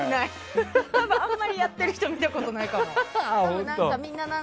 あまりやっている人見たことないかも。